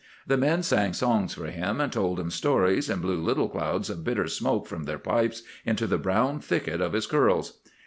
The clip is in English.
The men sang songs for him, and told him stories, and blew little clouds of bitter smoke from their pipes into the brown thicket of his curls.